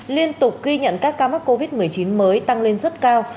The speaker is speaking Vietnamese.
liên tục ghi nhận các ca mắc covid một mươi chín mới tăng lên rất cao